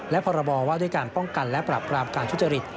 และพรบว่าด้วยการป้องกันและปรับปรามการทุจริต